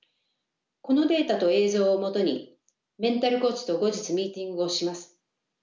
このデータと映像をもとにメンタルコーチと後日ミーティングをします。